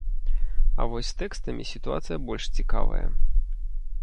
А вось з тэкстамі сітуацыя больш цікавая.